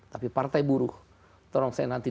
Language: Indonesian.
tapi partai buruh tolong saya nanti